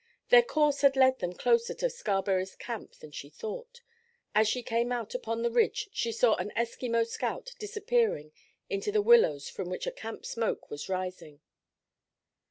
Their course had led them closer to Scarberry's camp than she thought. As she came out upon the ridge she saw an Eskimo scout disappearing into the willows from which a camp smoke was rising.